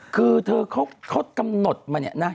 คือเธอเขากำหนดมาเนี่ยนะ